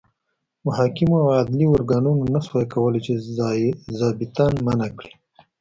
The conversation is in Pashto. محاکمو او عدلي ارګانونو نه شوای کولای چې ظابیطان منع کړي.